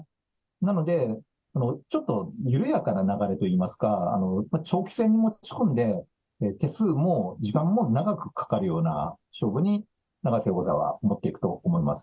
なので、ちょっと緩やかな流れといいますか、長期戦に持ち込んで、手数も時間も長くかかるような勝負に、永瀬王座は持っていくと思います。